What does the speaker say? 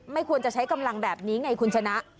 ไม่ควรจะใช้กำลังแบบนี้ไงคุณชนะ